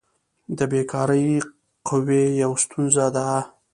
د بیکاري قوي یوه ستونزه ده.